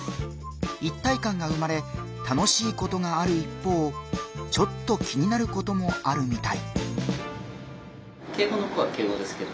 一体感が生まれ楽しいことがある一方ちょっと気になることもあるみたい。